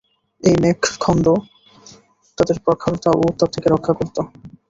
এই মেঘখণ্ড তাদের প্রখরতা ও উত্তাপ থেকে রক্ষা করত।